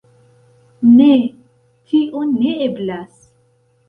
Ne, tio ne eblas.